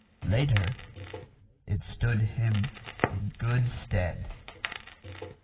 Later, it stood him in good stead.